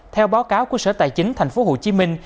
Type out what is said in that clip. theo báo cáo của sở tài chính thành phố hồ chí minh